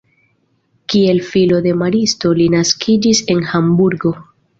Kiel filo de maristo li naskiĝis en Hamburgo.